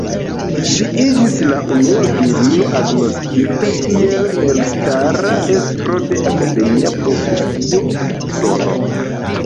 Ŝi iĝis la unua virino agnoskita kiel elstara estro de akademia profesio en Usono.